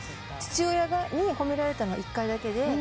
父親に褒められたのは１回だけで。